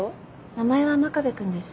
名前は「真壁くん」です。